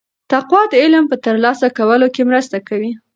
تقوا د علم په ترلاسه کولو کې مرسته کوي.